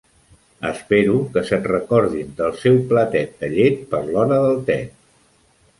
Espero que se'n recordin del seu platet de llet per l'hora del te.